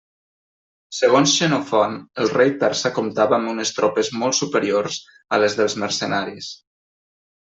Segons Xenofont, el rei persa comptava amb unes tropes molt superiors a les dels mercenaris.